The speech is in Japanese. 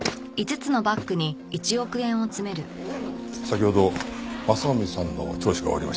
先ほど雅臣さんの聴取が終わりました。